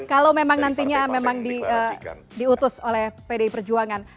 kalau memang nantinya memang diutus oleh pdi perjuangan